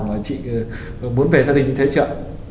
mà chị muốn về gia đình như thế chưa